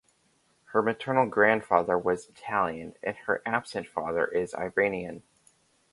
Her maternal grandfather was Italian and her absent father is Iranian.